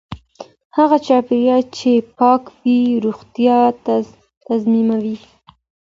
هغه چاپیریال چې پاک وي روغتیا تضمینوي.